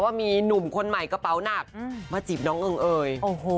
ว่ามีหนุ่มคนใหม่กระเป๋าหนักมาจีบน้องเอิงเอ่ย